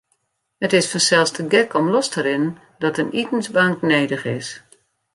It is fansels te gek om los te rinnen dat in itensbank nedich is.